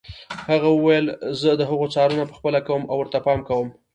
هغه وویل زه د هغو څارنه پخپله کوم او ورته پام کوم.